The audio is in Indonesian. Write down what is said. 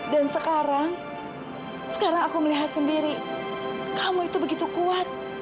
dan sekarang sekarang aku melihat sendiri kamu itu begitu kuat